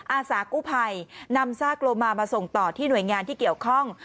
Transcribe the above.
อาสากู้ภัยนำซากโลมามาส่งต่อที่หน่วยงานที่เกี่ยวข้อง